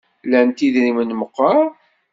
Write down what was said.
Lant idrimen meqqar?